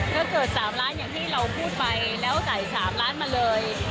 ถ้าเกิด๓ล้านอย่างที่เราพูดไปแล้วใส่๓ล้านมาเลย